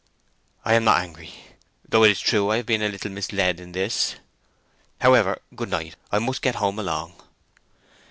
"I am not angry, though it is true I have been a little misled in this. However, good night. I must get home along."